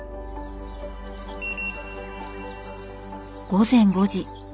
午前５時。